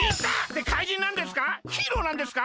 で怪人なんですか？